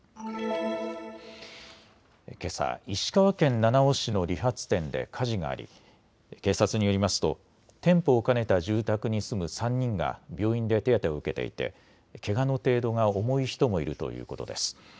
けさ石川県七尾市の理髪店で火事があり警察によりますと店舗を兼ねた住宅に住む３人が病院で手当てを受けていてけがの程度が重い人もいるということです。